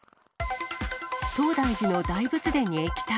東大寺の大仏殿に液体。